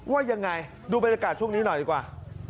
ว่ายังไงดูบรรยากาศช่วงนี้หน่อยดีกว่า